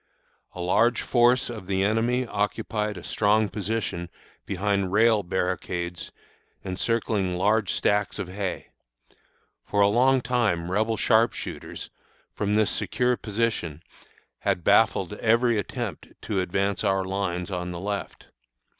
"A large force of the enemy occupied a strong position behind rail barricades encircling large stacks of hay. For a long time Rebel sharp shooters, from this secure position, had baffled every attempt to advance our lines on the left.